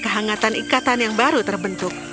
kehangatan ikatan yang baru terbentuk